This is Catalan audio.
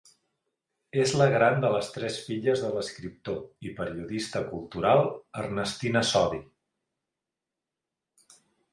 És la gran de les tres filles de l'escriptor i periodista cultural Ernestina Sodi.